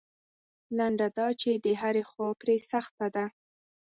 لنډه دا چې له هرې خوا پرې سخته ده.